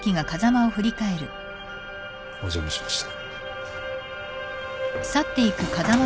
お邪魔しました。